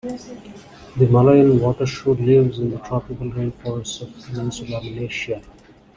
The Malayan water shrew lives in the Tropical Rainforests of Peninsula Malaysia.